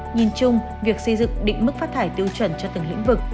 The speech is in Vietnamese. nhìn chung việc xây dựng định mức phát thải tiêu chuẩn cho từng lĩnh vực